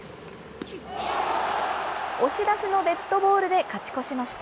押し出しのデッドボールで勝ち越しました。